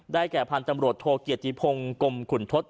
แก่พันธ์ตำรวจโทเกียรติพงศ์กรมขุนทศ